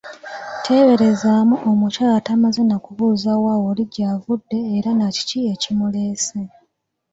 Teeberezaamu omukyala tamaze na kubuuza wa oli gy'avudde era nakiki ekimuleese.